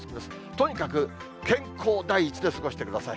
とにかく健康第一で過ごしてください。